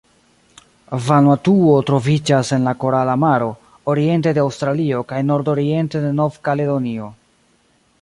Vanuatuo troviĝas en la Korala Maro, oriente de Aŭstralio kaj nordoriente de Nov-Kaledonio.